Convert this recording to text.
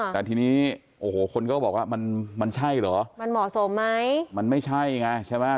แต่ทีนี้โอ้โหคนก็บอกว่ามันมันใช่เหรอมันเหมาะสมไหมมันไม่ใช่ไงใช่ไหม